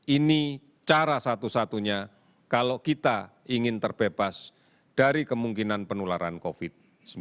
ini cara satu satunya kalau kita ingin terbebas dari kemungkinan penularan covid sembilan belas